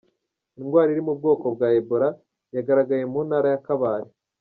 Indwara iri mu bwoko bwa Ebola yagaragaye mu ntara ya Kabale